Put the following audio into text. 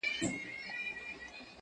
مساپر د خېر پوښته، نه د ورځو.